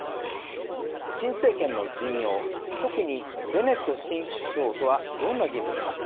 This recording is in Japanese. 新政権の陣容特にベネット新首相とはどんな人物か。